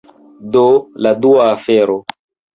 Do, la dua afero